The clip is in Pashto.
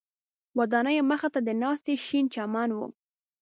ودانیو مخ ته د ناستي شین چمن و.